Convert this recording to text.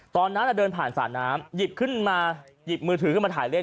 ตอนนั้นน่ะเดินผ่านสาน้ำหยิบมือถือมาถ่ายเล่น